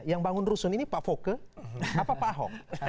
yang bangun rusun ini pak foke apa pak ahok